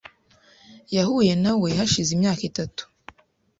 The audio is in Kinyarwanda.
Yahuye nawe hashize imyaka itatu .